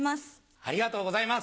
ありがとうございます。